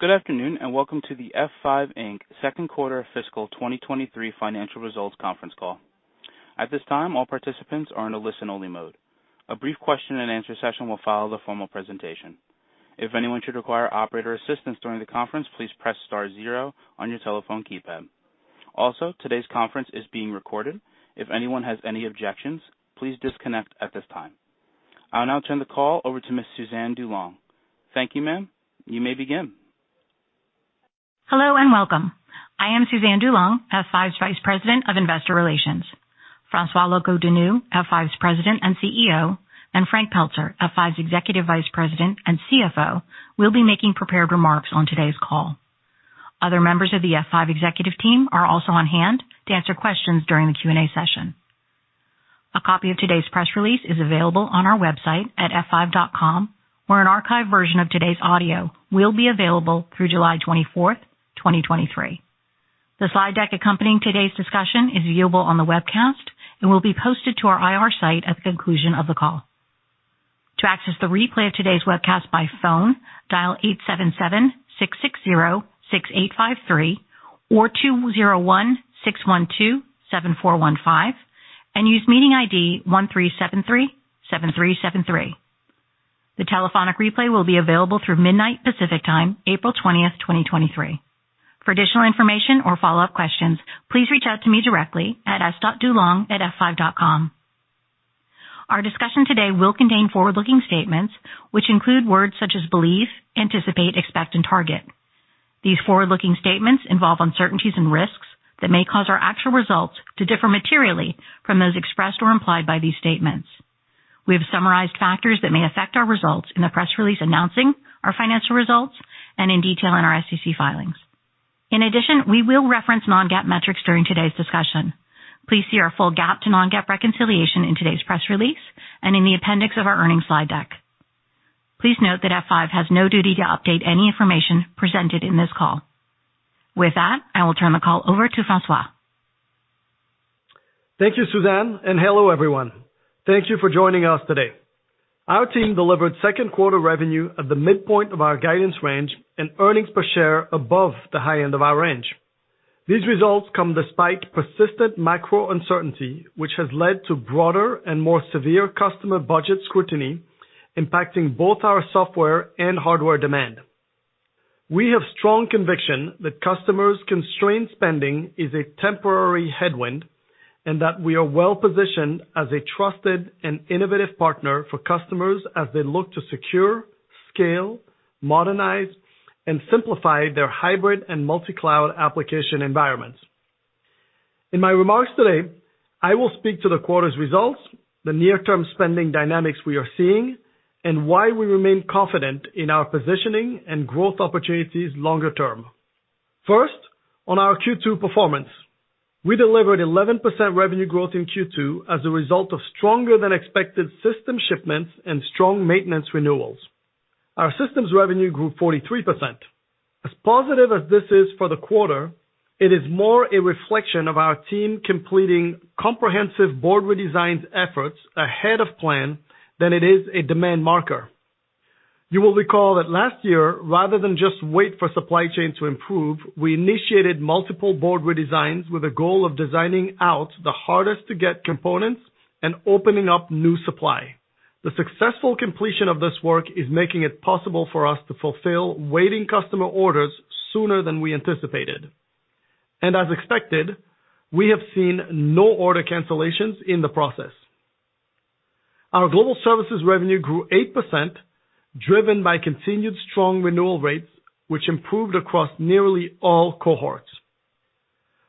Good afternoon, and welcome to the F5, Inc. second quarter fiscal 2023 financial results conference call. At this time, all participants are in a listen-only mode. A brief question and answer session will follow the formal presentation. If anyone should require operator assistance during the conference, please press star 0 on your telephone keypad. Also, today's conference is being recorded. If anyone has any objections, please disconnect at this time. I'll now turn the call over to Ms. Suzanne DuLong. Thank you, ma'am. You may begin. Hello and welcome. I am Suzanne DuLong, F5's Vice President of investor relations. François Locoh-Donou, F5's President and CEO, and Frank Pelzer, F5's Executive Vice President and CFO, will be making prepared remarks on today's call. Other members of the F5 executive team are also on hand to answer questions during the Q&A session. A copy of today's press release is available on our website at F5.com, where an archived version of today's audio will be available through July 24th, 2023. The slide deck accompanying today's discussion is viewable on the webcast and will be posted to our IR site at the conclusion of the call. To access the replay of today's webcast by phone, dial 877-660-6853 or 201-612-7415 and use meeting ID 13737373. The telephonic replay will be available through midnight Pacific Time, April 20th, 2023. For additional information or follow-up questions, please reach out to me directly at s.dulong at F5.com. Our discussion today will contain forward-looking statements which include words such as believe, anticipate, expect and target. These forward-looking statements involve uncertainties and risks that may cause our actual results to differ materially from those expressed or implied by these statements. We have summarized factors that may affect our results in the press release announcing our financial results and in detail in our SEC filings. In addition, we will reference non-GAAP metrics during today's discussion. Please see our full GAAP to non-GAAP reconciliation in today's press release and in the appendix of our earnings slide deck. Please note that F5 has no duty to update any information presented in this call. With that, I will turn the call over to François. Thank you, Suzanne. Hello everyone. Thank you for joining us today. Our team delivered second quarter revenue at the midpoint of our guidance range and earnings per share above the high end of our range. These results come despite persistent macro uncertainty, which has led to broader and more severe customer budget scrutiny, impacting both our software and hardware demand. We have strong conviction that customers' constrained spending is a temporary headwind and that we are well-positioned as a trusted and innovative partner for customers as they look to secure, scale, modernize, and simplify their hybrid and multi-cloud application environments. In my remarks today, I will speak to the quarter's results, the near-term spending dynamics we are seeing, and why we remain confident in our positioning and growth opportunities longer term. First, on our Q2 performance, we delivered 11% revenue growth in Q2 as a result of stronger-than-expected system shipments and strong maintenance renewals. Our systems revenue grew 43%. Positive as this is for the quarter, it is more a reflection of our team completing comprehensive board redesigns efforts ahead of plan than it is a demand marker. You will recall that last year, rather than just wait for supply chain to improve, we initiated multiple board redesigns with the goal of designing out the hardest to get components and opening up new supply. The successful completion of this work is making it possible for us to fulfill waiting customer orders sooner than we anticipated. As expected, we have seen no order cancellations in the process. Our global services revenue grew 8%, driven by continued strong renewal rates, which improved across nearly all cohorts.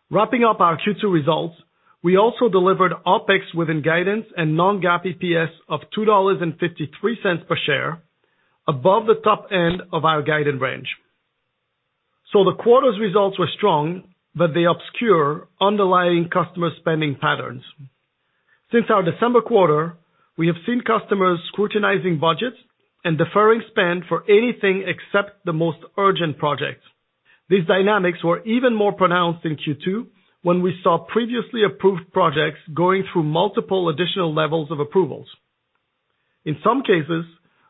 Wrapping up our Q2 results, we also delivered OpEx within guidance and non-GAAP EPS of $2.53 per share, above the top end of our guided range. The quarter's results were strong, but they obscure underlying customer spending patterns. Since our December quarter, we have seen customers scrutinizing budgets and deferring spend for anything except the most urgent projects. These dynamics were even more pronounced in Q2 when we saw previously approved projects going through multiple additional levels of approvals. In some cases,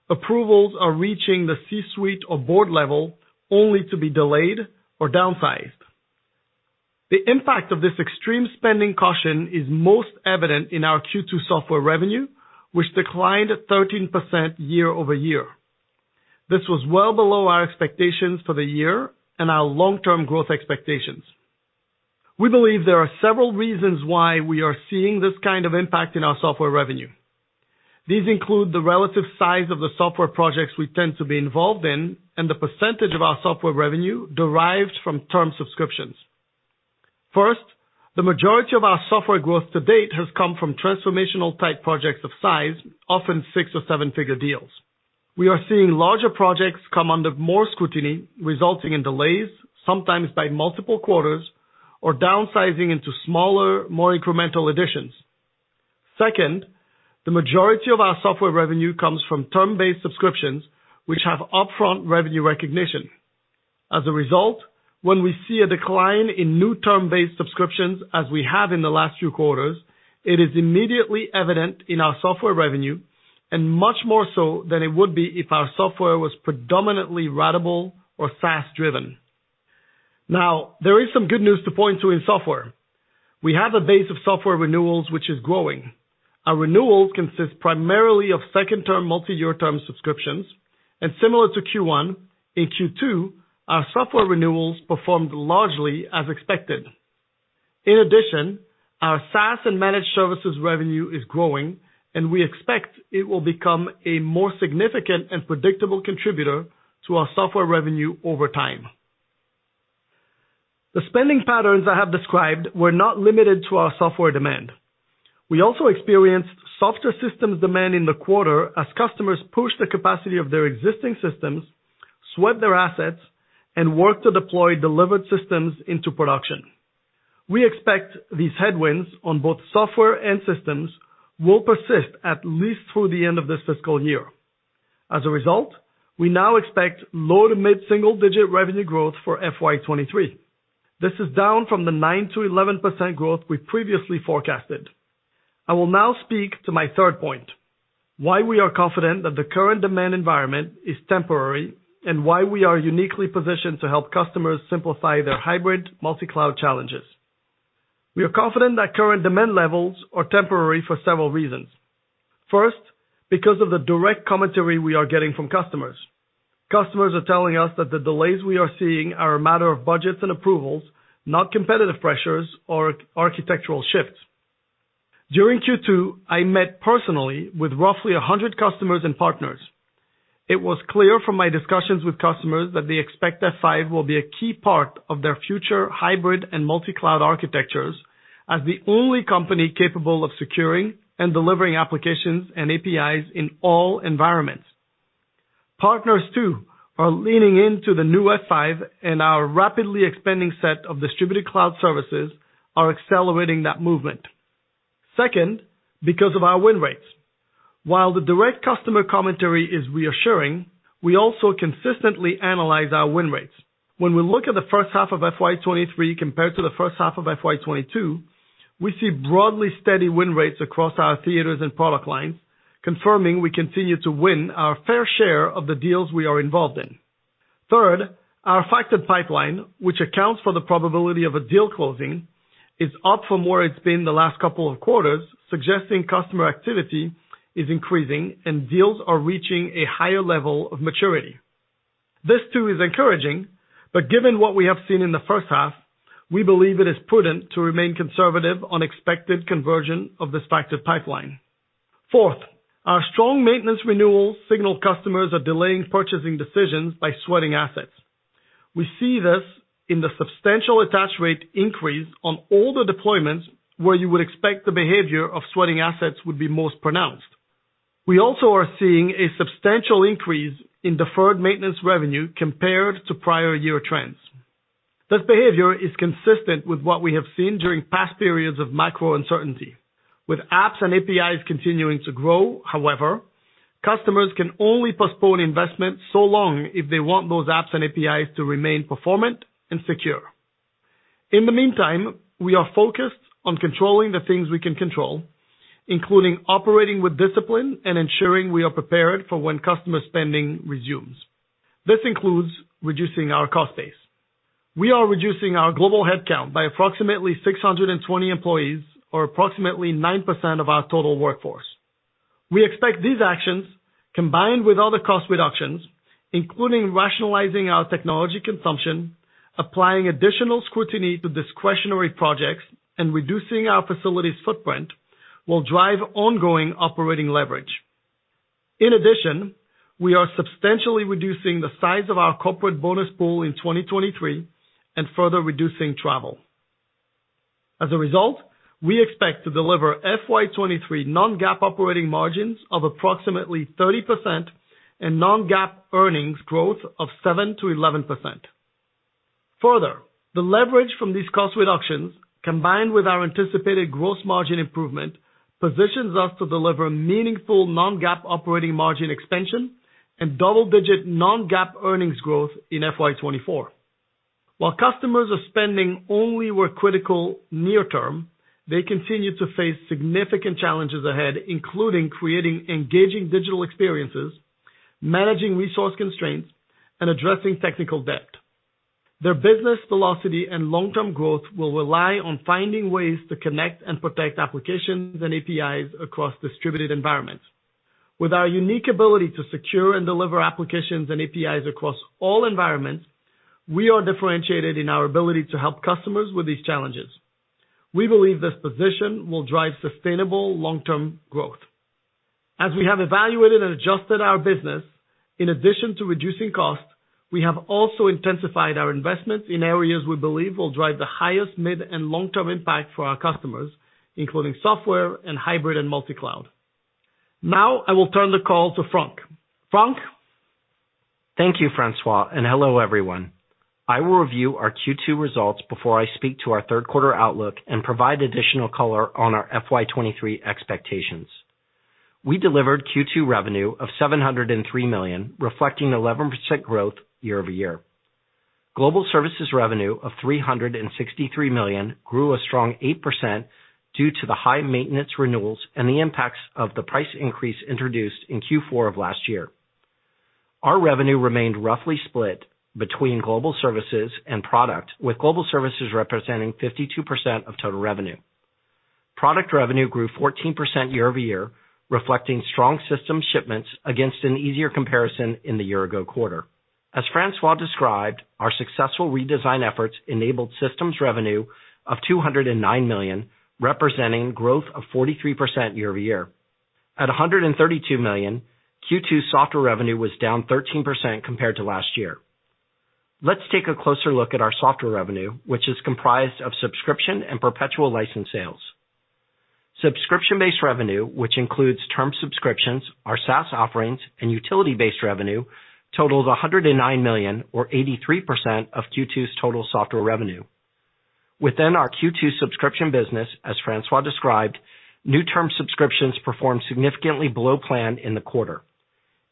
approvals are reaching the C-suite or board level only to be delayed or downsized. The impact of this extreme spending caution is most evident in our Q2 software revenue, which declined 13% year-over-year. This was well below our expectations for the year and our long-term growth expectations. We believe there are several reasons why we are seeing this kind of impact in our software revenue. These include the relative size of the software projects we tend to be involved in and the percentage of our software revenue derived from term subscriptions. First, the majority of our software growth to date has come from transformational-type projects of size, often six or seven-figure deals. We are seeing larger projects come under more scrutiny, resulting in delays, sometimes by multiple quarters, or downsizing into smaller, more incremental additions. Second, the majority of our software revenue comes from term-based subscriptions, which have upfront revenue recognition. As a result, when we see a decline in new term-based subscriptions, as we have in the last few quarters, it is immediately evident in our software revenue, and much more so than it would be if our software was predominantly ratable or SaaS driven. There is some good news to point to in software. We have a base of software renewals which is growing. Our renewals consist primarily of second-term multi-year term subscriptions, similar to Q1, in Q2, our software renewals performed largely as expected. In addition, our SaaS and managed services revenue is growing, we expect it will become a more significant and predictable contributor to our software revenue over time. The spending patterns I have described were not limited to our software demand. We also experienced softer systems demand in the quarter as customers pushed the capacity of their existing systems, swept their assets, and worked to deploy delivered systems into production. We expect these headwinds on both software and systems will persist at least through the end of this fiscal year. As a result, we now expect low to mid-single digit revenue growth for FY 23. This is down from the 9%-11% growth we previously forecasted. I will now speak to my third point, why we are confident that the current demand environment is temporary, and why we are uniquely positioned to help customers simplify their hybrid multi-cloud challenges. We are confident that current demand levels are temporary for several reasons. Because of the direct commentary we are getting from customers. Customers are telling us that the delays we are seeing are a matter of budgets and approvals, not competitive pressures or architectural shifts. During Q2, I met personally with roughly 100 customers and partners. It was clear from my discussions with customers that they expect F5 will be a key part of their future hybrid and multi-cloud architectures as the only company capable of securing and delivering applications and APIs in all environments. Partners too are leaning into the new F5, and our rapidly expanding set of Distributed Cloud Services are accelerating that movement. Second, because of our win rates. While the direct customer commentary is reassuring, we also consistently analyze our win rates. When we look at the first half of FY23 compared to the first half of FY22, we see broadly steady win rates across our theaters and product lines, confirming we continue to win our fair share of the deals we are involved in. Third, our Factored Pipeline, which accounts for the probability of a deal closing, is up from where it's been the last couple of quarters, suggesting customer activity is increasing and deals are reaching a higher level of maturity. This too is encouraging, but given what we have seen in the first half. We believe it is prudent to remain conservative on expected conversion of this factored pipeline. Fourth, our strong maintenance renewals signal customers are delaying purchasing decisions by sweating assets. We see this in the substantial attach rate increase on all the deployments where you would expect the behavior of sweating assets would be most pronounced. We also are seeing a substantial increase in deferred maintenance revenue compared to prior year trends. This behavior is consistent with what we have seen during past periods of macro uncertainty. With apps and APIs continuing to grow, however, customers can only postpone investment so long if they want those apps and APIs to remain performant and secure. In the meantime, we are focused on controlling the things we can control, including operating with discipline and ensuring we are prepared for when customer spending resumes. This includes reducing our cost base. We are reducing our global headcount by approximately 620 employees, or approximately 9% of our total workforce. We expect these actions, combined with other cost reductions, including rationalizing our technology consumption, applying additional scrutiny to discretionary projects, and reducing our facilities footprint, will drive ongoing operating leverage. In addition, we are substantially reducing the size of our corporate bonus pool in 2023 and further reducing travel. As a result, we expect to deliver FY23 non-GAAP operating margins of approximately 30% and non-GAAP earnings growth of 7%-11%. Further, the leverage from these cost reductions, combined with our anticipated gross margin improvement, positions us to deliver meaningful non-GAAP operating margin expansion and double-digit non-GAAP earnings growth in FY24. While customers are spending only where critical near term, they continue to face significant challenges ahead, including creating engaging digital experiences, managing resource constraints, and addressing technical debt. Their business velocity and long-term growth will rely on finding ways to connect and protect applications and APIs across distributed environments. With our unique ability to secure and deliver applications and APIs across all environments, we are differentiated in our ability to help customers with these challenges. We believe this position will drive sustainable long-term growth. As we have evaluated and adjusted our business, in addition to reducing costs, we have also intensified our investments in areas we believe will drive the highest mid and long-term impact for our customers, including software and hybrid and multi-cloud. I will turn the call to Frank. Frank? Thank you, François. Hello, everyone. I will review our Q2 results before I speak to our third quarter outlook and provide additional color on our FY23 expectations. We delivered Q2 revenue of $703 million, reflecting 11% growth year-over-year. Global Services revenue of $363 million grew a strong 8% due to the high maintenance renewals and the impacts of the price increase introduced in Q4 of last year. Our revenue remained roughly split between Global Services and Product, with Global Services representing 52% of total revenue. Product revenue grew 14% year-over-year, reflecting strong system shipments against an easier comparison in the year ago quarter. As François described, our successful redesign efforts enabled systems revenue of $209 million, representing growth of 43% year-over-year. At $132 million, Q2 software revenue was down 13% compared to last year. Let's take a closer look at our software revenue, which is comprised of subscription and perpetual license sales. Subscription-based revenue, which includes term subscriptions, our SaaS offerings, and utility-based revenue, totals $109 million or 83% of Q2's total software revenue. Within our Q2 subscription business, as François described, new term subscriptions performed significantly below plan in the quarter.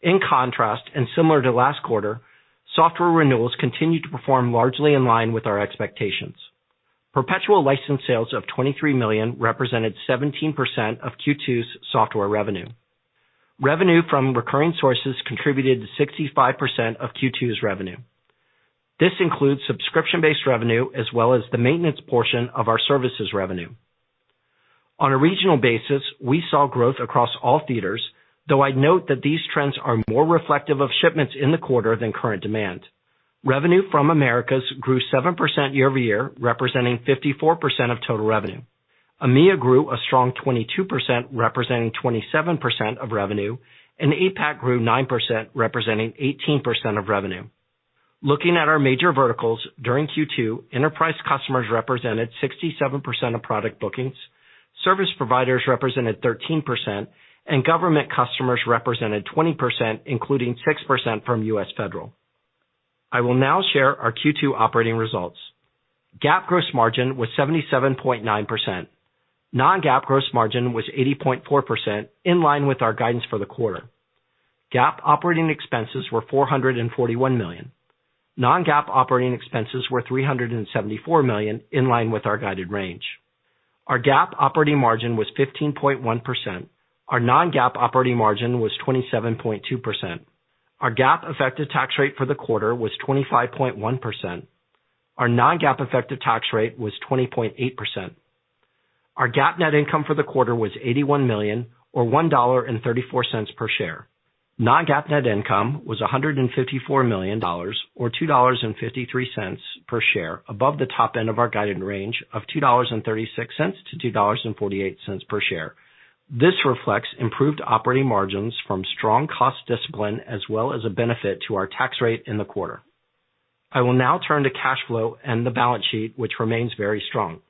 In contrast, similar to last quarter, software renewals continued to perform largely in line with our expectations. Perpetual license sales of $23 million represented 17% of Q2's software revenue. Revenue from recurring sources contributed to 65% of Q2's revenue. This includes subscription-based revenue, as well as the maintenance portion of our services revenue. On a regional basis, we saw growth across all theaters, though I'd note that these trends are more reflective of shipments in the quarter than current demand. Revenue from Americas grew 7% year-over-year, representing 54% of total revenue. EMEA grew a strong 22%, representing 27% of revenue. APAC grew 9%, representing 18% of revenue. Looking at our major verticals, during Q2, enterprise customers represented 67% of product bookings, service providers represented 13%, and government customers represented 20%, including 6% from U.S. Federal. I will now share our Q2 operating results. GAAP gross margin was 77.9%. Non-GAAP gross margin was 80.4%, in line with our guidance for the quarter. GAAP operating expenses were $441 million. Non-GAAP operating expenses were $374 million, in line with our guided range. Our GAAP operating margin was 15.1%. Our non-GAAP operating margin was 27.2%. Our GAAP effective tax rate for the quarter was 25.1%. Our non-GAAP effective tax rate was 20.8%. Our GAAP net income for the quarter was $81 million or $1.34 per share. Non-GAAP net income was $154 million or $2.53 per share above the top end of our guided range of $2.36-$2.48 per share. This reflects improved operating margins from strong cost discipline as well as a benefit to our tax rate in the quarter. I will now turn to cash flow and the balance sheet, which remains very strong.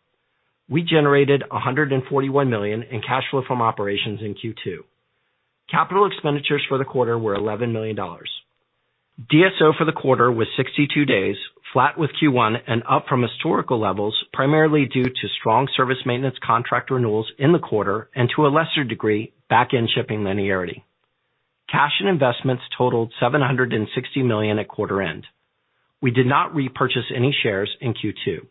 We generated $141 million in cash flow from operations in Q2. Capital expenditures for the quarter were $11 million. DSO for the quarter was 62 days, flat with Q1 and up from historical levels, primarily due to strong service maintenance contract renewals in the quarter and, to a lesser degree, back-end shipping linearity. Cash and investments totaled $760 million at quarter end. We did not repurchase any shares in Q2.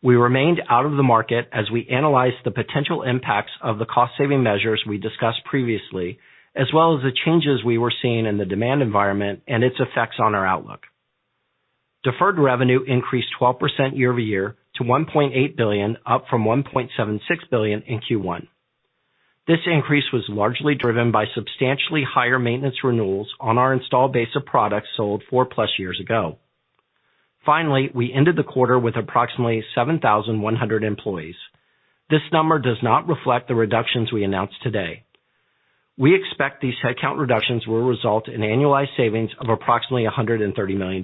We remained out of the market as we analyzed the potential impacts of the cost-saving measures we discussed previously, as well as the changes we were seeing in the demand environment and its effects on our outlook. Deferred revenue increased 12% year-over-year to $1.8 billion, up from $1.76 billion in Q1. This increase was largely driven by substantially higher maintenance renewals on our install base of products sold four-plus years ago. Finally, we ended the quarter with approximately 7,100 employees. This number does not reflect the reductions we announced today. We expect these headcount reductions will result in annualized savings of approximately $130 million.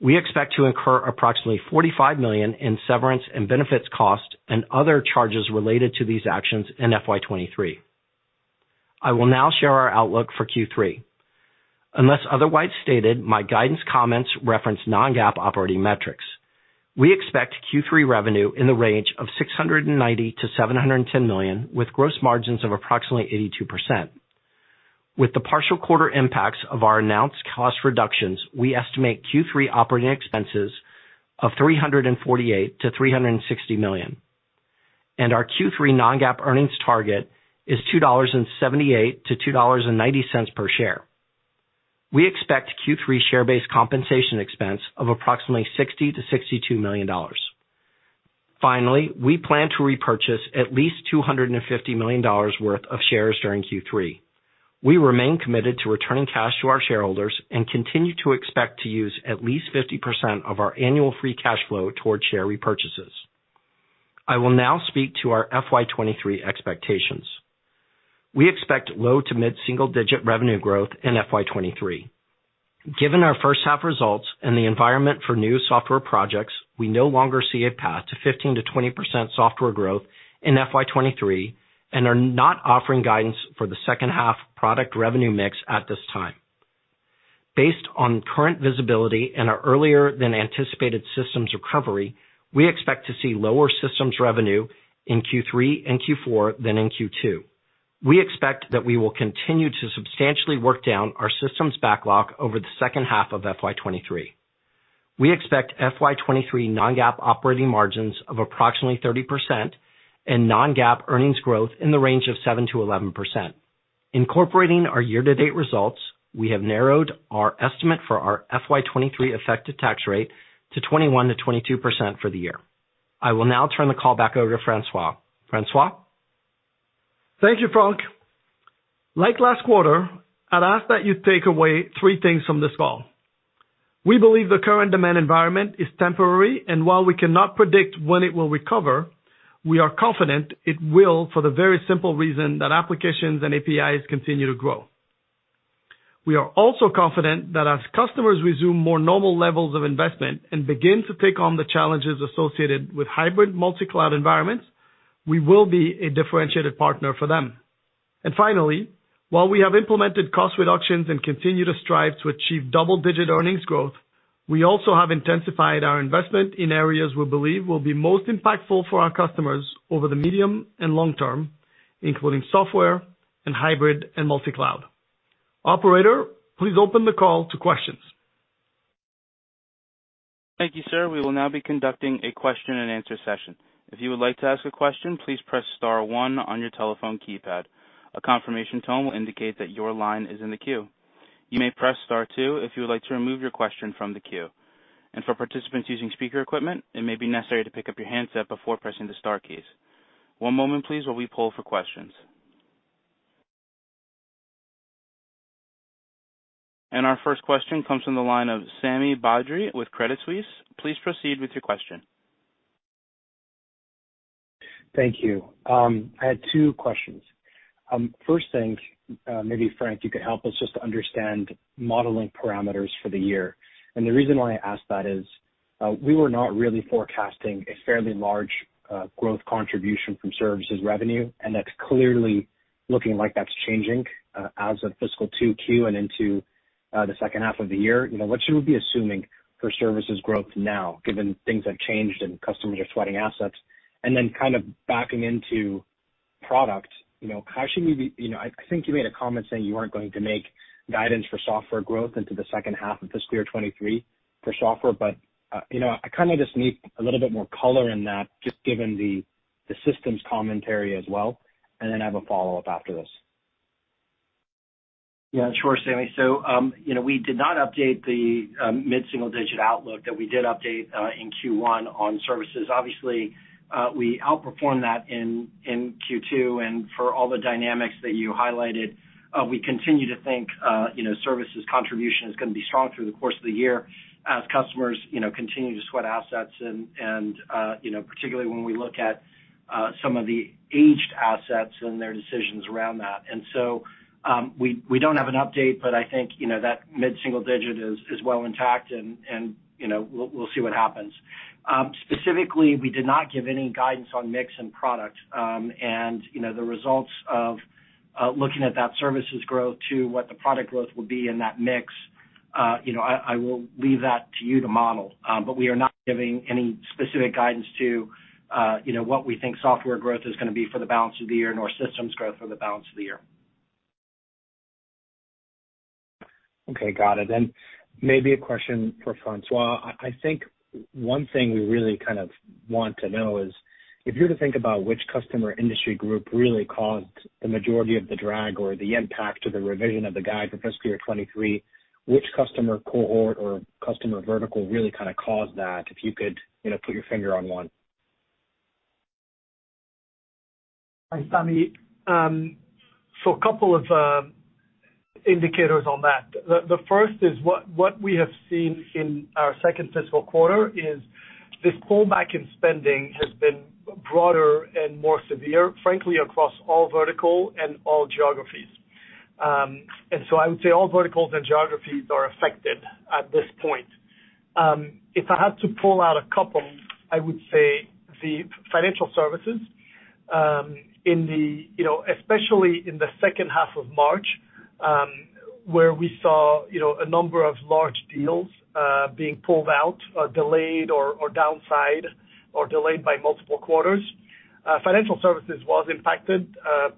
We expect to incur approximately $45 million in severance and benefits cost and other charges related to these actions in FY23. I will now share our outlook for Q3. Unless otherwise stated, my guidance comments reference non-GAAP operating metrics. We expect Q3 revenue in the range of $690 million-$710 million, with gross margins of approximately 82%. With the partial quarter impacts of our announced cost reductions, we estimate Q3 operating expenses of $348 million-$360 million. Our Q3 non-GAAP earnings target is $2.78-$2.90 per share. We expect Q3 share-based compensation expense of approximately $60 million-$62 million. We plan to repurchase at least $250 million worth of shares during Q3. We remain committed to returning cash to our shareholders and continue to expect to use at least 50% of our annual free cash flow toward share repurchases. I will now speak to our FY23 expectations. We expect low to mid-single digit revenue growth in FY23. Given our first half results and the environment for new software projects, we no longer see a path to 15%-20% software growth in FY23 and are not offering guidance for the second half product revenue mix at this time. Based on current visibility and our earlier than anticipated systems recovery, we expect to see lower systems revenue in Q3 and Q4 than in Q2. We expect that we will continue to substantially work down our systems backlog over the second half of FY23. We expect FY23 non-GAAP operating margins of approximately 30% and non-GAAP earnings growth in the range of 7%-11%. Incorporating our year-to-date results, we have narrowed our estimate for our FY23 effective tax rate to 21%-22% for the year. I will now turn the call back over to François. François? Thank you, Frank. Like last quarter, I'd ask that you take away three things from this call. We believe the current demand environment is temporary, and while we cannot predict when it will recover, we are confident it will for the very simple reason that applications and APIs continue to grow. We are also confident that as customers resume more normal levels of investment and begin to take on the challenges associated with hybrid multi-cloud environments, we will be a differentiated partner for them. Finally, while we have implemented cost reductions and continue to strive to achieve double-digit earnings growth, we also have intensified our investment in areas we believe will be most impactful for our customers over the medium and long term, including software and hybrid and multi-cloud. Operator, please open the call to questions. Thank you, sir. We will now be conducting a question-and-answer session. If you would like to ask a question, please press star one on your telephone keypad. A confirmation tone will indicate that your line is in the queue. You may press star two if you would like to remove your question from the queue. For participants using speaker equipment, it may be necessary to pick up your handset before pressing the star keys. One moment please, while we poll for questions. Our first question comes from the line of Sami Badri with Credit Suisse. Please proceed with your question. Thank you. I had two questions. First thing, maybe Frank, you could help us just understand modeling parameters for the year. The reason why I ask that is, we were not really forecasting a fairly large, growth contribution from services revenue, and that's clearly looking like that's changing, as of fiscal 2Q and into the second half of the year. You know, what should we be assuming for services growth now, given things have changed and customers are sweating assets? Then kind of backing into product, you know, I think you made a comment saying you aren't going to make guidance for software growth into the second half of fiscal year 2023 for software. You know, I kind of just need a little bit more color in that just given the systems commentary as well, and then I have a follow-up after this. Yeah, sure, Sami. You know, we did not update the mid-single digit outlook that we did update in Q1 on services. Obviously, we outperformed that in Q2. For all the dynamics that you highlighted, we continue to think, you know, services contribution is gonna be strong through the course of the year as customers, you know, continue to sweat assets and, you know, particularly when we look at some of the aged assets and their decisions around that. We don't have an update, but I think, you know, that mid-single digit is well intact and, you know, we'll see what happens. Specifically, we did not give any guidance on mix and product, you know, the results of looking at that services growth to what the product growth will be in that mix, you know, I will leave that to you to model. We are not giving any specific guidance to, you know, what we think software growth is gonna be for the balance of the year, nor systems growth for the balance of the year. Okay, got it. Maybe a question for François. I think one thing we really kind of want to know is, if you're to think about which customer industry group really caused the majority of the drag or the impact to the revision of the guide for FY23, which customer cohort or customer vertical really kind of caused that, if you could, you know, put your finger on one? Hi, Sami. A couple of indicators on that. The first is what we have seen in our second fiscal quarter is this pullback in spending has been broader and more severe, frankly, across all vertical and all geographies. I would say all verticals and geographies are affected at this point. If I had to pull out a couple, I would say the financial services, in the, you know, especially in the second half of March, where we saw, you know, a number of large deals being pulled out, delayed or downside or delayed by multiple quarters. Financial services was impacted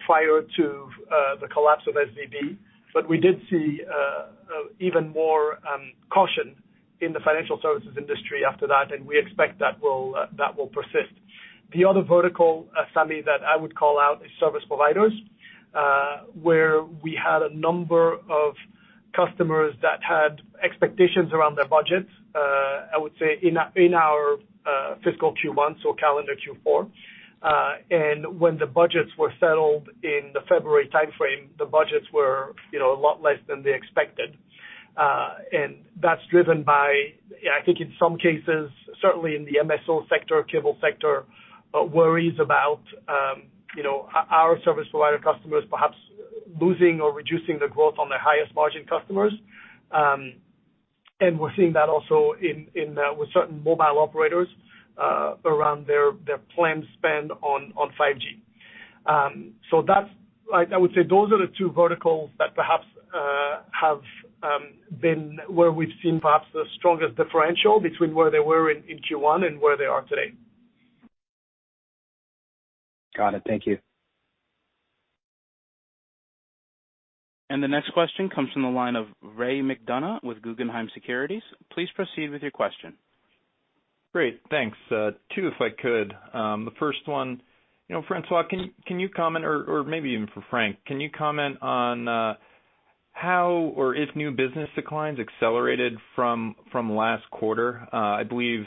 prior to the collapse of SVB, but we did see even more caution in the financial services industry after that, and we expect that will persist. The other vertical, Sami, that I would call out is service providers, where we had a number of customers that had expectations around their budgets, I would say in our, in our, fiscal Q1, so calendar Q4. When the budgets were settled in the February timeframe, the budgets were, you know, a lot less than they expected. That's driven by, I think in some cases, certainly in the MSO sector, cable sector, worries about, you know, our service provider customers perhaps losing or reducing the growth on their highest margin customers. We're seeing that also in, with certain mobile operators, around their planned spend on 5G. I would say those are the two verticals that perhaps have been where we've seen perhaps the strongest differential between where they were in Q1 and where they are today. Got it. Thank you. The next question comes from the line of Ray McDonough with Guggenheim Securities. Please proceed with your question. Great. Thanks. Two, if I could. The first one, you know, François, can you comment or maybe even for Frank, can you comment on how or if new business declines accelerated from last quarter? I believe,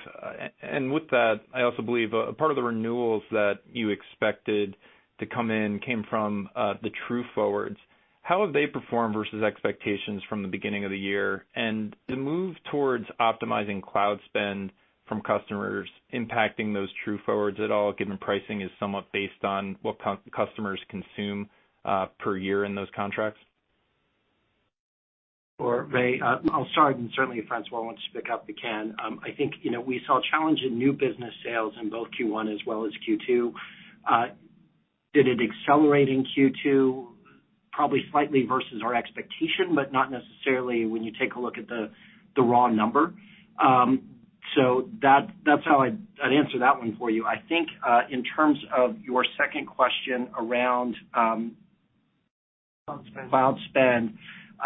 and with that, I also believe a part of the renewals that you expected to come in came from the True Forwards. How have they performed versus expectations from the beginning of the year? The move towards optimizing cloud spend from customers impacting those True Forwards at all, given pricing is somewhat based on what customers consume per year in those contracts? Sure, Ray. I'll start, and certainly if François wants to pick up, he can. I think, you know, we saw a challenge in new business sales in both Q1 as well as Q2. Did it accelerate in Q2? Probably slightly versus our expectation, but not necessarily when you take a look at the raw number. That, that's how I'd answer that one for you. I think, in terms of your second question around-. Cloud spend. Cloud spend,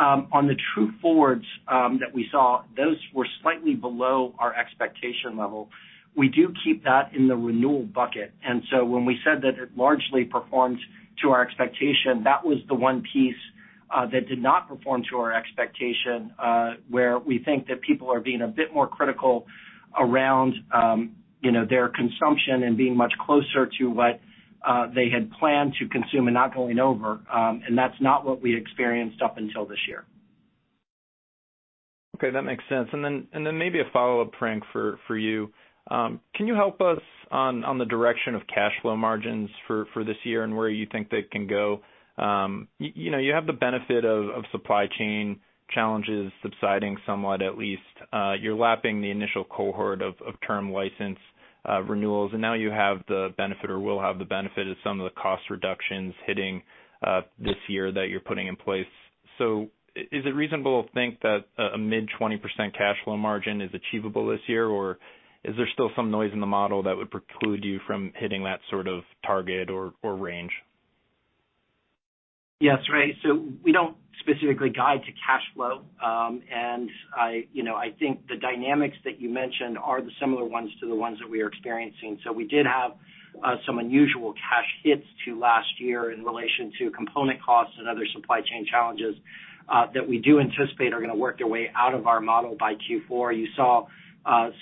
on the True Forwards, that we saw, those were slightly below our expectation level. We do keep that in the renewal bucket. When we said that it largely performed to our expectation, that was the one piece that did not perform to our expectation, where we think that people are being a bit more critical around, you know, their consumption and being much closer to what they had planned to consume and not going over. That's not what we experienced up until this year. Okay, that makes sense. Maybe a follow-up, Frank, for you. Can you help us on the direction of cash flow margins for this year and where you think they can go? You know, you have the benefit of supply chain challenges subsiding somewhat, at least. You're lapping the initial cohort of term license renewals, and now you have the benefit or will have the benefit of some of the cost reductions hitting this year that you're putting in place. Is it reasonable to think that a mid 20% cash flow margin is achievable this year, or is there still some noise in the model that would preclude you from hitting that sort of target or range? Yes, Ray. We don't specifically guide to cash flow. I, you know, I think the dynamics that you mentioned are the similar ones to the ones that we are experiencing. We did have some unusual cash hits to last year in relation to component costs and other supply chain challenges that we do anticipate are gonna work their way out of our model by Q4. You saw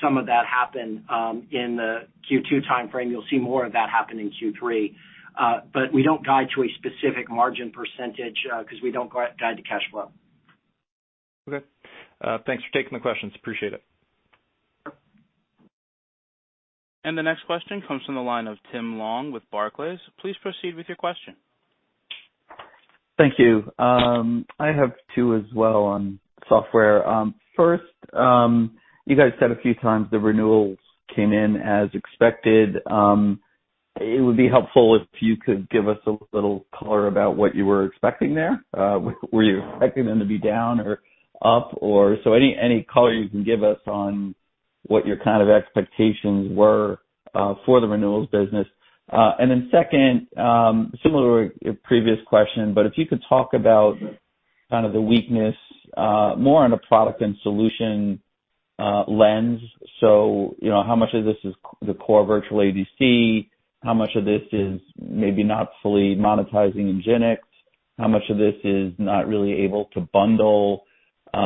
some of that happen in the Q2 timeframe. You'll see more of that happen in Q3. We don't guide to a specific margin percentage, 'cause we don't guide to cash flow. Okay. Thanks for taking the questions. Appreciate it. The next question comes from the line of Tim Long with Barclays. Please proceed with your question. Thank you. I have two as well on software. First, you guys said a few times the renewals came in as expected. It would be helpful if you could give us a little color about what you were expecting there. Were you expecting them to be down or up or... Any, any color you can give us on what your kind of expectations were for the renewals business. Second, similar to your previous question, but if you could talk about kind of the weakness, more on a product and solution, lens. You know, how much of this is the core virtual ADC? How much of this is maybe not fully monetizing in NGINX? How much of this is not really able to bundle, you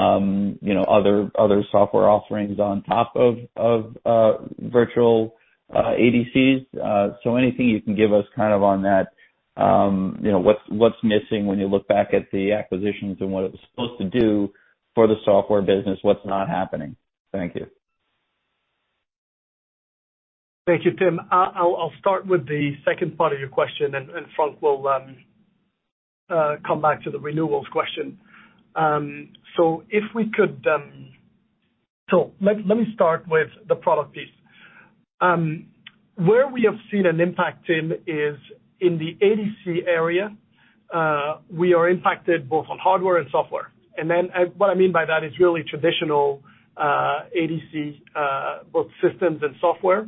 know, other software offerings on top of, virtual ADCs? Anything you can give us kind of on that, you know, what's missing when you look back at the acquisitions and what it was supposed to do for the software business, what's not happening? Thank you. Thank you, Tim. I'll start with the second part of your question, and Frank will come back to the renewals question. Let me start with the product piece. Where we have seen an impact, Tim, is in the ADC area. We are impacted both on hardware and software. What I mean by that is really traditional ADC, both systems and software.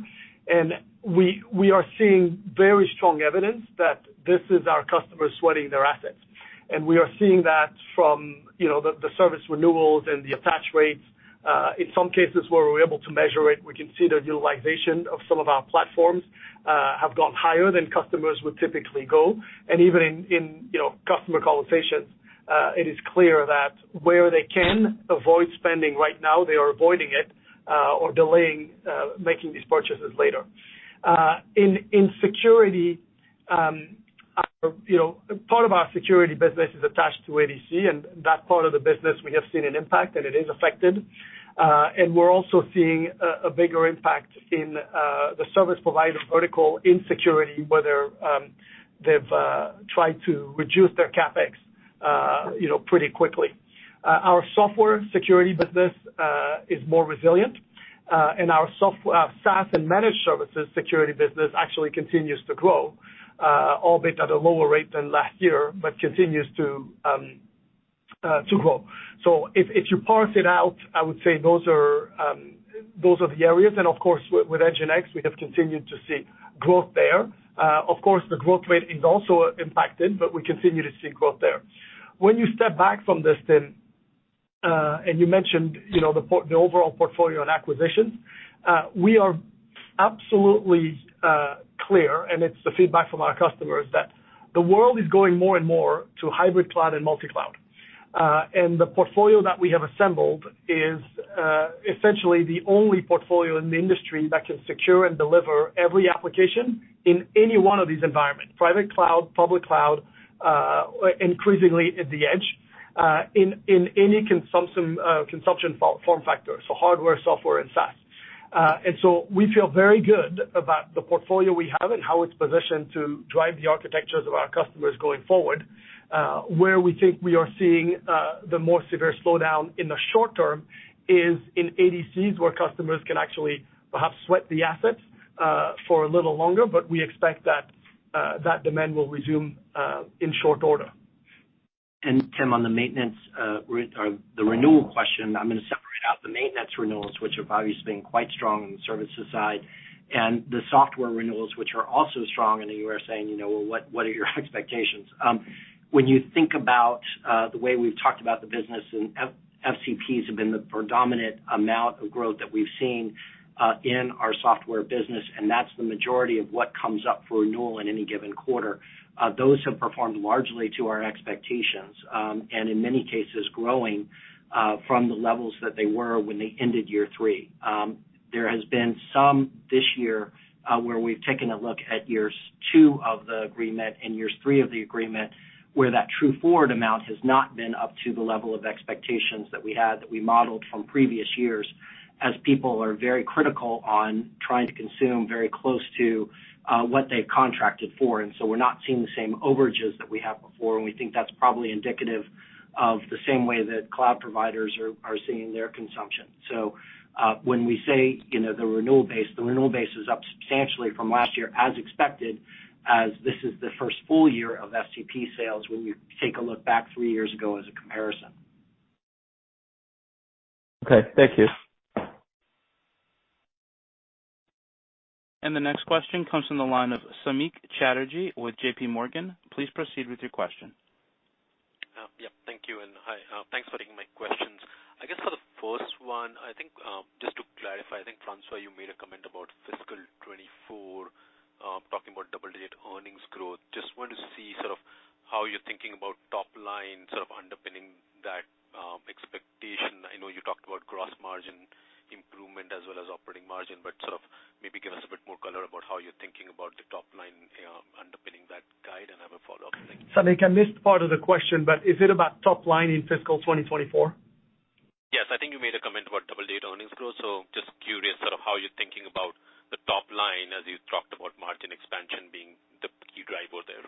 We are seeing very strong evidence that this is our customers sweating their assets. We are seeing that from, you know, the service renewals and the attach rates. In some cases where we're able to measure it, we can see the utilization of some of our platforms have gone higher than customers would typically go. Even in, you know, customer conversations, it is clear that where they can avoid spending right now, they are avoiding it, or delaying making these purchases later. In security, our, you know, part of our security business is attached to ADC, and that part of the business we have seen an impact, and it is affected. We're also seeing a bigger impact in the service provider vertical in security, whether they've tried to reduce their CapEx, you know, pretty quickly. Our software security business is more resilient. Our SaaS and managed services security business actually continues to grow, albeit at a lower rate than last year, but continues to grow. If you parse it out, I would say those are, those are the areas. With NGINX, we have continued to see growth there. Of course, the growth rate is also impacted, but we continue to see growth there. When you step back from this then, and you mentioned, you know, the overall portfolio and acquisitions, we are absolutely clear, and it's the feedback from our customers, that the world is going more and more to hybrid cloud and multi-cloud. The portfolio that we have assembled is essentially the only portfolio in the industry that can secure and deliver every application in any one of these environments, private cloud, public cloud, increasingly at the edge, in any consumption form factor, so hardware, software, and SaaS. We feel very good about the portfolio we have and how it's positioned to drive the architectures of our customers going forward. Where we think we are seeing the more severe slowdown in the short term is in ADCs, where customers can actually perhaps sweat the assets for a little longer, but we expect that demand will resume in short order. Tim, on the maintenance or the renewal question, I'm gonna separate out the maintenance renewals, which have obviously been quite strong on the services side, and the software renewals, which are also strong, and you are saying, you know, what are your expectations? When you think about the way we've talked about the business and FCPs have been the predominant amount of growth that we've seen in our software business, and that's the majority of what comes up for renewal in any given quarter. Those have performed largely to our expectations, and in many cases growing from the levels that they were when they ended year three. There has been some this year, where we've taken a look at years two of the agreement and years three of the agreement, where that true forward amount has not been up to the level of expectations that we had, that we modeled from previous years, as people are very critical on trying to consume very close to what they've contracted for. We're not seeing the same overages that we had before, and we think that's probably indicative of the same way that cloud providers are seeing their consumption. When we say, you know, the renewal base, the renewal base is up substantially from last year as expected, as this is the first full year of FCP sales when you take a look back three years ago as a comparison. Okay. Thank you. The next question comes from the line of Samik Chatterjee with J.P. Morgan. Please proceed with your question. Yeah. Thank you, and hi. Thanks for taking my questions. I guess for the first one, I think, just to clarify, I think, François, you made a comment about FY24, talking about double-digit earnings growth. Just want to see sort of how you're thinking about top line sort of underpinning that expectation. I know you talked about gross margin improvement as well as operating margin, but sort of maybe give us a bit more color about how you're thinking about the top line underpinning that guide. I have a follow-up. Thank you. Samik, I missed part of the question, but is it about top line in fiscal 2024? Yes. I think you made a comment about double-digit earnings growth. Just curious sort of how you're thinking about the top line as you talked about margin expansion being the key driver there?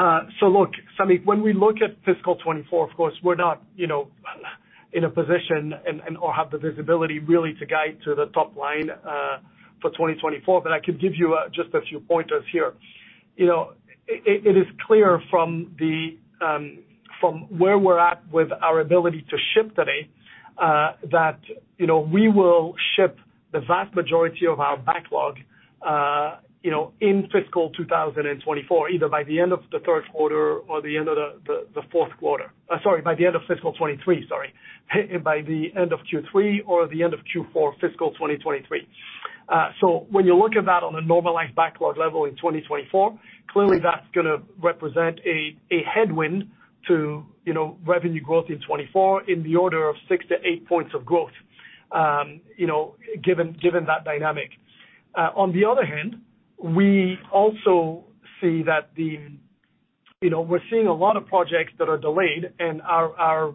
Yeah.Look, Samik, when we look at fiscal 2024, of course, we're not, you know, in a position and/or have the visibility really to guide to the top line, for 2024, I could give you just a few pointers here. You know, it is clear from the from where we're at with our ability to ship today, that, you know, we will ship the vast majority of our backlog, you know, in fiscal 2024, either by the end of the third quarter or the end of the fourth quarter. Sorry, by the end of fiscal 2023. Sorry, by the end of Q3 or the end of Q4 fiscal 2023. When you look at that on a normalized backlog level in 2024, clearly that's gonna represent a headwind to, you know, revenue growth in 2024 in the order of 6-8 points of growth, you know, given that dynamic. On the other hand, we also see that. You know, we're seeing a lot of projects that are delayed, and our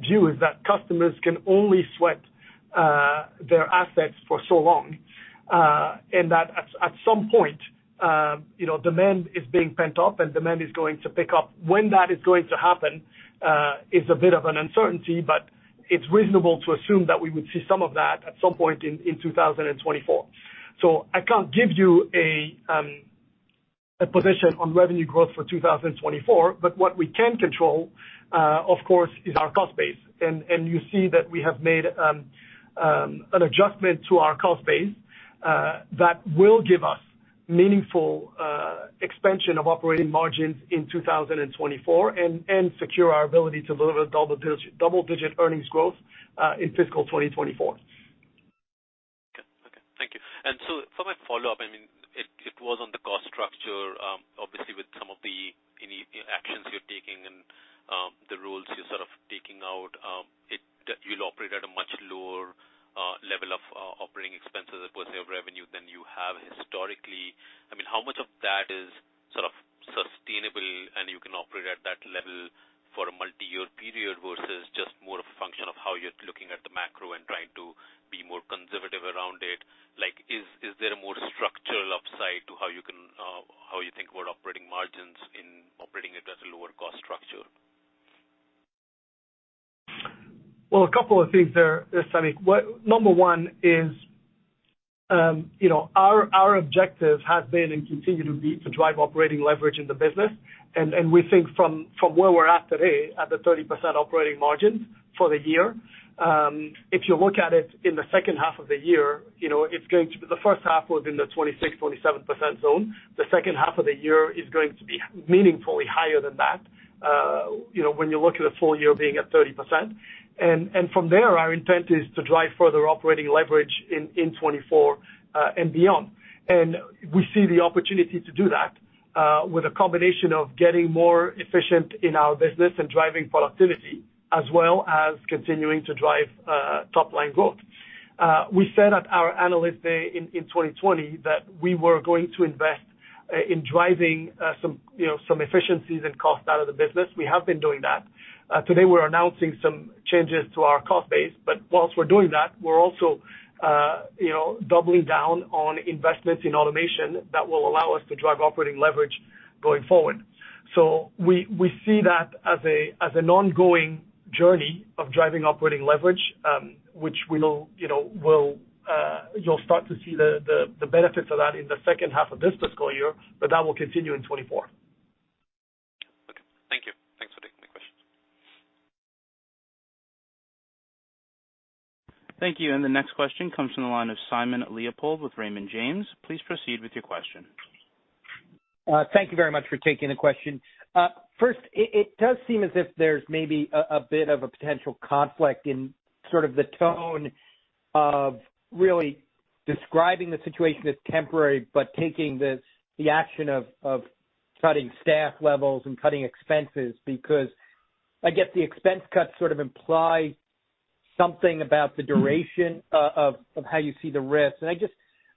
view is that customers can only sweat their assets for so long, and that at some point, you know, demand is being pent up and demand is going to pick up. When that is going to happen, is a bit of an uncertainty, but it's reasonable to assume that we would see some of that at some point in 2024. I can't give you a position on revenue growth for 2024, but what we can control, of course, is our cost base. You see that we have made an adjustment to our cost base that will give us meaningful expansion of operating margins in 2024 and secure our ability to deliver double-digit earnings growth in FY24. Okay. Okay. Thank you. For my follow-up, I mean, it was on the cost structure, obviously with some of the actions you're taking and the roles you're sort of taking out, that you'll operate at a much lower level of OpEx per say of revenue than you have historically. I mean, how much of that is sort of sustainable and you can operate at that level for a multi-year period versus just more a function of how you're looking at the macro and trying to be more conservative around it. Like is there a more structural upside to how you can how you think about operating margins in operating it as a lower cost structure? Well, a couple of things there, Samik. Number one is, you know, our objective has been and continue to be to drive operating leverage in the business. We think from where we're at today, at the 30% operating margin for the year, if you look at it in the second half of the year, you know, the first half was in the 26%-27% zone. The second half of the year is going to be meaningfully higher than that, you know, when you look at the full year being at 30%. From there, our intent is to drive further operating leverage in 2024 and beyond. We see the opportunity to do that, with a combination of getting more efficient in our business and driving productivity, as well as continuing to drive, top line growth. We said at our Analyst Day in 2020 that we were going to invest, in driving, some, you know, some efficiencies and cost out of the business. We have been doing that. Today, we're announcing some changes to our cost base. Whilst we're doing that, we're also, you know, doubling down on investments in automation that will allow us to drive operating leverage going forward. We see that as an ongoing journey of driving operating leverage, which we know, you know, will, you'll start to see the benefits of that in the second half of this fiscal year, but that will continue in 2024. Okay. Thank you. Thanks for taking my questions. Thank you. The next question comes from the line of Simon Leopold with Raymond James. Please proceed with your question. Thank you very much for taking the question. First, it does seem as if there's maybe a bit of a potential conflict in sort of the tone of really describing the situation as temporary, but taking the action of cutting staff levels and cutting expenses because I guess the expense cuts sort of imply something about the duration, of how you see the risk.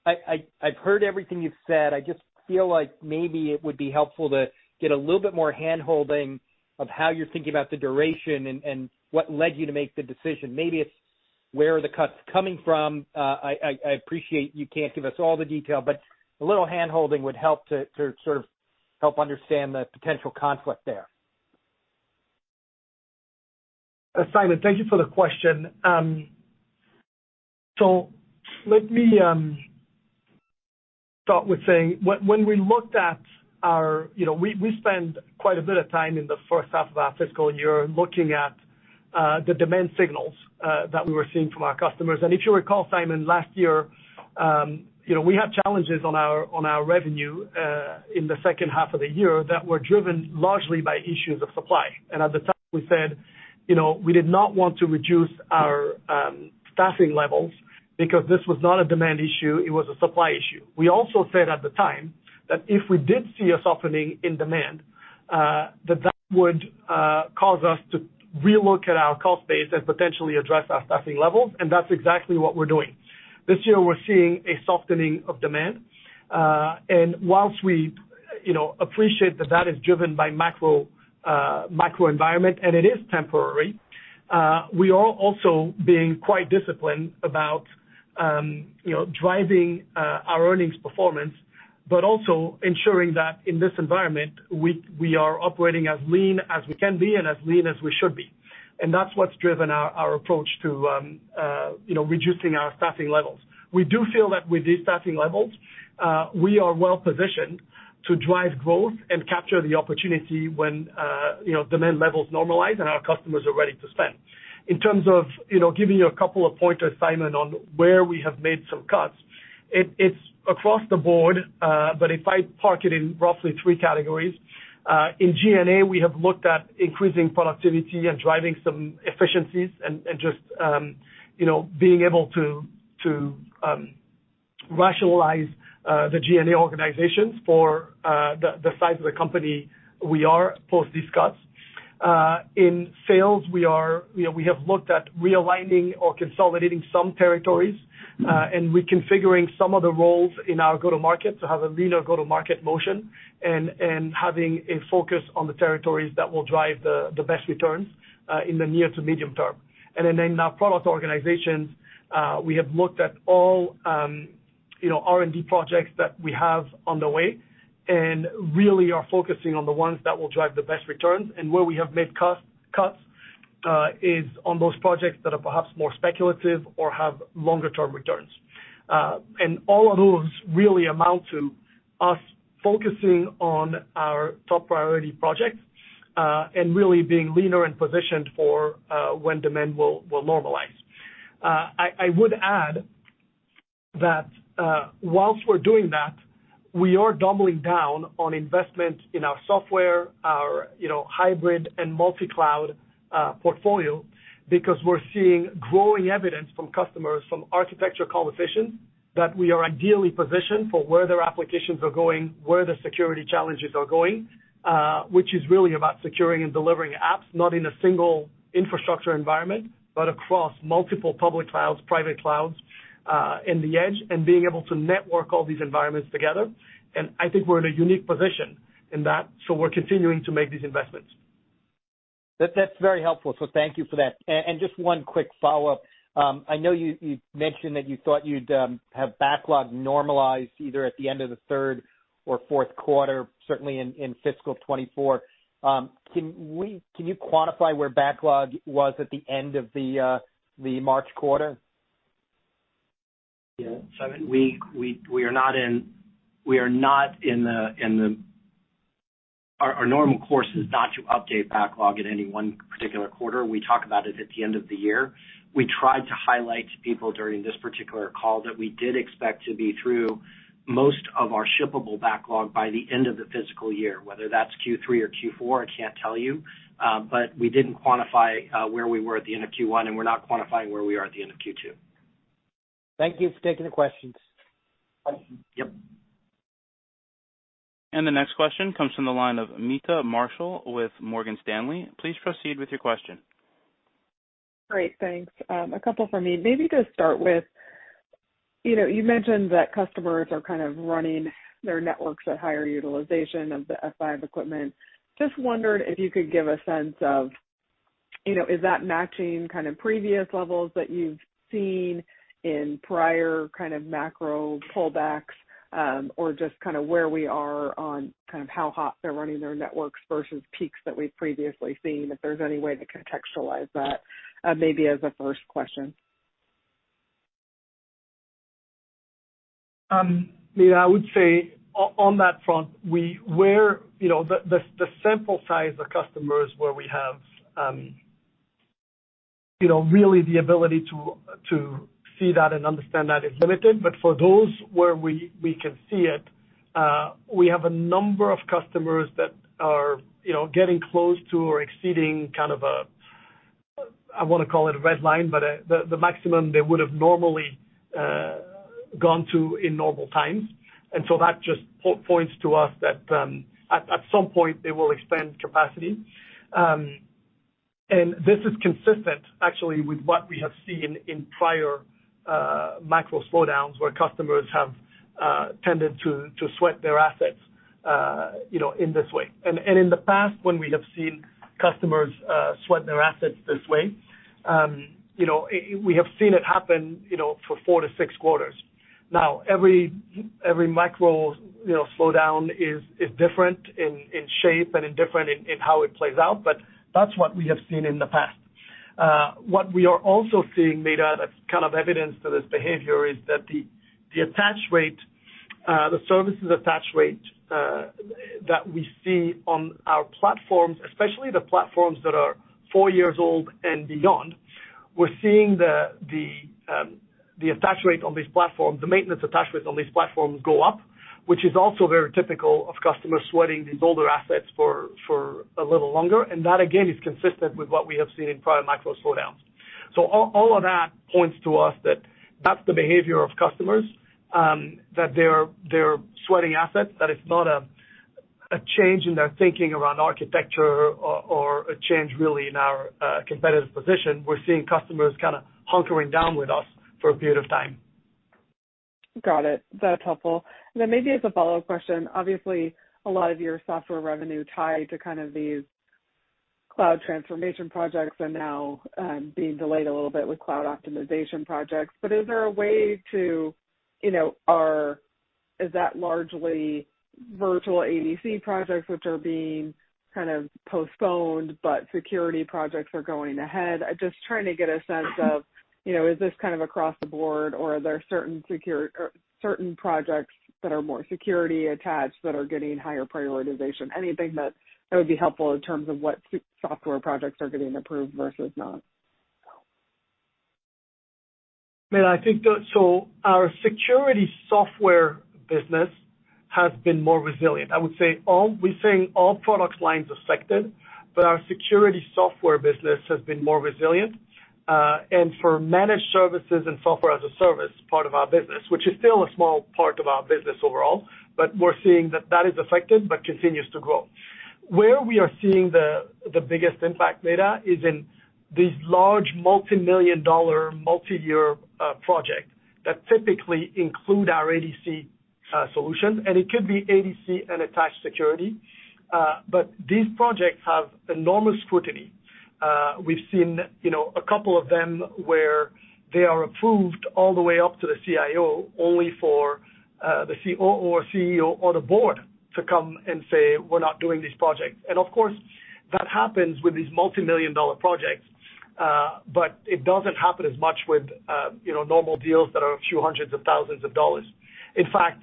I've heard everything you've said. I just feel like maybe it would be helpful to get a little bit more handholding of how you're thinking about the duration and what led you to make the decision. Maybe it's where are the cuts coming from. I appreciate you can't give us all the detail, but a little handholding would help to sort of help understand the potential conflict there. Simon, thank you for the question. Let me start with saying when we looked at our... You know, we spend quite a bit of time in the first half of our fiscal year looking at the demand signals that we were seeing from our customers. If you recall, Simon, last year, you know, we had challenges on our revenue in the second half of the year that were driven largely by issues of supply. At the time we said, you know, we did not want to reduce our staffing levels because this was not a demand issue, it was a supply issue. We also said at the time that if we did see a softening in demand, that that would cause us to relook at our cost base and potentially address our staffing levels, and that's exactly what we're doing. This year we're seeing a softening of demand, and whilst we, you know, appreciate that that is driven by macro environment and it is temporary, we are also being quite disciplined about, you know, driving our earnings performance, but also ensuring that in this environment, we are operating as lean as we can be and as lean as we should be. That's what's driven our approach to, you know, reducing our staffing levels. We do feel that with these staffing levels, we are well positioned to drive growth and capture the opportunity when, you know, demand levels normalize and our customers are ready to spend. In terms of, you know, giving you a couple of pointers, Simon, on where we have made some cuts, it's across the board, but if I park it in roughly three categories. In G&A we have looked at increasing productivity and driving some efficiencies and just, you know, being able to rationalize the G&A organizations for the size of the company we are post these cuts. In sales, you know, we have looked at realigning or consolidating some territories and reconfiguring some of the roles in our go-to-market to have a leaner go-to-market motion and having a focus on the territories that will drive the best returns in the near to medium term. Then in our product organizations, we have looked at all, you know, R&D projects that we have on the way, and really are focusing on the ones that will drive the best returns. Where we have made cost cuts is on those projects that are perhaps more speculative or have longer-term returns. All of those really amount to us focusing on our top priority projects and really being leaner and positioned for when demand will normalize. I would add that, whilst we're doing that, we are doubling down on investment in our software, our, you know, hybrid and multi-cloud, portfolio, because we're seeing growing evidence from customers from architecture conversations that we are ideally positioned for where their applications are going, where the security challenges are going, which is really about securing and delivering apps, not in a single infrastructure environment, but across multiple public clouds, private clouds, in the edge, and being able to network all these environments together. I think we're in a unique position in that, so we're continuing to make these investments. That's very helpful. Thank you for that. And just one quick follow-up. I know you mentioned that you thought you'd have backlog normalized either at the end of the third or fourth quarter, certainly in fiscal 2024. Can you quantify where backlog was at the end of the March quarter? I mean, Our normal course is not to update backlog at any one particular quarter. We talk about it at the end of the year. We tried to highlight to people during this particular call that we did expect to be through most of our shippable backlog by the end of the fiscal year. Whether that's Q3 or Q4, I can't tell you. But we didn't quantify where we were at the end of Q1, and we're not quantifying where we are at the end of Q2. Thank you for taking the questions. Yep. The next question comes from the line of Meta Marshall with Morgan Stanley. Please proceed with your question. Great. Thanks. A couple for me. Maybe to start with, you know, you mentioned that customers are kind of running their networks at higher utilization of the F5 equipment. Just wondering if you could give a sense of, you know, is that matching kind of previous levels that you've seen in prior kind of macro pullbacks, or just kinda where we are on kind of how hot they're running their networks versus peaks that we've previously seen, if there's any way to contextualize that, maybe as a first question? Yeah, I would say on that front, where, you know, the, the sample size of customers where we have, you know, really the ability to see that and understand that is limited. For those where we can see it, we have a number of customers that are, you know, getting close to or exceeding kind of a, I wanna call it a red line, but, the maximum they would have normally gone to in normal times. That just points to us that, at some point they will expand capacity. This is consistent actually with what we have seen in prior macro slowdowns where customers have tended to sweat their assets, you know, in this way. In the past when we have seen customers, sweat their assets this way, you know, we have seen it happen, you know, for 4 to 6 quarters. Every macro, you know, slowdown is different in shape and different in how it plays out, but that's what we have seen in the past. What we are also seeing, Meta, that's kind of evidence to this behavior is that the attach rate, the services attach rate, that we see on our platforms, especially the platforms that are 4 years old and beyond, we're seeing the attach rate on these platforms, the maintenance attach rate on these platforms go up, which is also very typical of customers sweating these older assets for a little longer. That again is consistent with what we have seen in prior macro slowdowns. All of that points to us that that's the behavior of customers, that they're sweating assets, that it's not a change in their thinking around architecture or a change really in our competitive position. We're seeing customers kinda hunkering down with us for a period of time. Got it. That's helpful. Maybe as a follow question, obviously, a lot of your software revenue tied to kind of these cloud transformation projects are now being delayed a little bit with cloud optimization projects. Is there a way to, you know, is that largely virtual ADC projects which are being kind of postponed but security projects are going ahead? I'm just trying to get a sense of, you know, is this kind of across the board or are there certain or certain projects that are more security attached that are getting higher prioritization? Anything that would be helpful in terms of what software projects are getting approved versus not. Meta, I think our security software business has been more resilient. I would say we're saying all product lines are affected, our security software business has been more resilient. For managed services and Software as a Service part of our business, which is still a small part of our business overall, we're seeing that that is affected but continues to grow. Where we are seeing the biggest impact, Meta, is in these large multi-million-dollar, multi-year projects that typically include our ADC solutions, it could be ADC and attached security. These projects have enormous scrutiny. We've seen, you know, a couple of them where they are approved all the way up to the CIO only for the CO or CEO or the board to come and say, "We're not doing these projects." Of course, that happens with these multi-million dollar projects, but it doesn't happen as much with, you know, normal deals that are a few hundreds of thousands of dollars. In fact,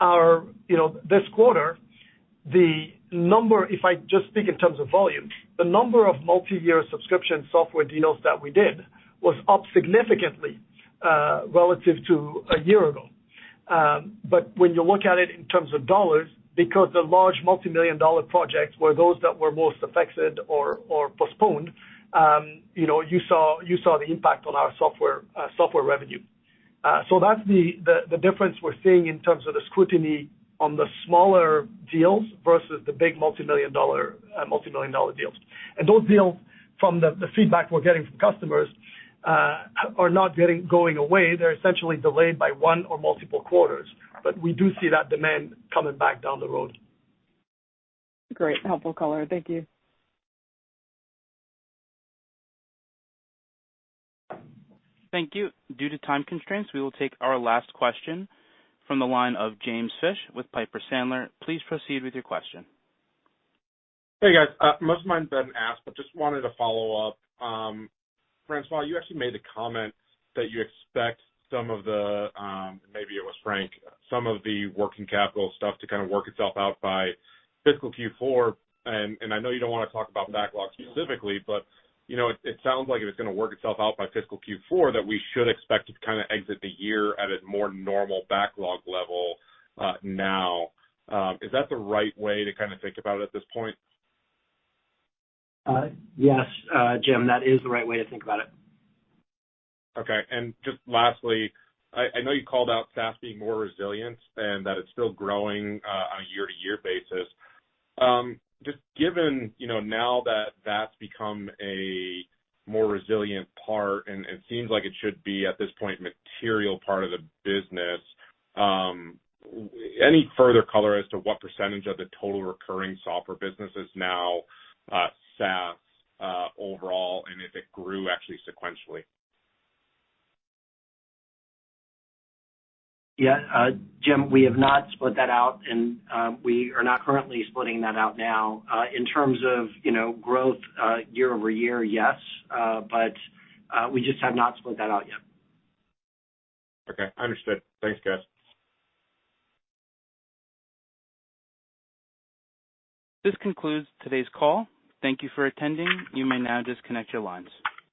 our, you know, this quarter, the number, if I just speak in terms of volume, the number of multi-year subscription software deals that we did was up significantly relative to a year ago. When you look at it in terms of dollars, because the large multi-million dollar projects were those that were most affected or postponed, you know, you saw the impact on our software revenue. That's the difference we're seeing in terms of the scrutiny on the smaller deals versus the big multi-million dollar deals. Those deals, from the feedback we're getting from customers, are not going away. They're essentially delayed by one or multiple quarters. We do see that demand coming back down the road. Great, helpful color. Thank you. Thank you. Due to time constraints, we will take our last question from the line of James Fish with Piper Sandler. Please proceed with your question. Hey, guys. Most of mine have been asked, but just wanted to follow up. François, you actually made the comment that you expect some of the, maybe it was Frank, some of the working capital stuff to kind of work itself out by fiscal Q4. I know you don't wanna talk about backlog specifically, but, you know, it sounds like if it's gonna work itself out by fiscal Q4, that we should expect to kinda exit the year at a more normal backlog level, now. Is that the right way to kinda think about it at this point? Yes, James, that is the right way to think about it. Okay. Just lastly, I know you called out SaaS being more resilient and that it's still growing, on a year-to-year basis. Just given, you know, now that that's become a more resilient part and seems like it should be, at this point, material part of the business, any further color as to what percentage of the total recurring software business is now, SaaS, overall, and if it grew actually sequentially? Yeah. James, we have not split that out and we are not currently splitting that out now. In terms of, you know, growth, year-over-year, yes, but we just have not split that out yet. Okay, understood. Thanks, guys. This concludes today's call. Thank you for attending. You may now disconnect your lines.